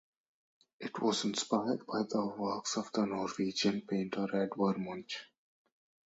It was inspired by the works of the Norwegian painter Edvard Munch.